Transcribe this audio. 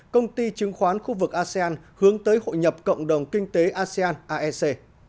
công ty chứng khoán khu vực asean hướng tới hội nhập cộng đồng kinh tế asean aec